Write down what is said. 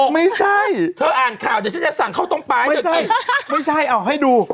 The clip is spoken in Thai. ไม่ใช่เธออ่านข่าวเดี๋ยวฉันจะสั่งเข้าตรงไปเถอะไม่ใช่เอาให้ดู